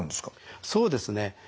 そうですね。